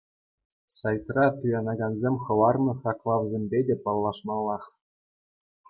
Сайтра туянакансем хӑварнӑ хаклавсемпе те паллашмаллах.